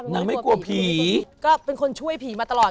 ไม่กลัวผีก็เป็นคนช่วยผีมาตลอด